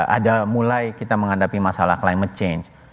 ada mulai kita menghadapi masalah climate change